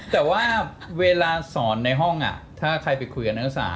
แต่ว่าเวลาสอนในห้องถ้าใครไปคุยกับนักศึกษา